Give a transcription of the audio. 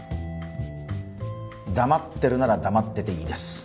黙ってるなら黙ってていいです